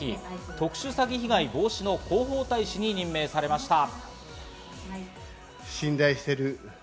特殊詐欺被害防止の広報大使に任命されました。